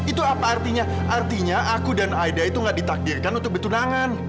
itu apa artinya aku dan aida itu tidak ditakdirkan untuk bertunangan